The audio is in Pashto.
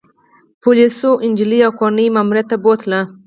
پولیسو انجلۍ او کورنۍ يې ماموریت ته بوتلل